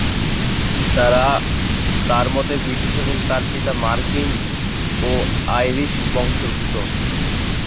তার মাতা ব্রিটিশ এবং তার পিতা মার্কিন ও আইরিশ বংশোদ্ভূত।